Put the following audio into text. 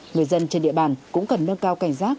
người dân trên địa bàn cũng cần nâng cao cảnh giác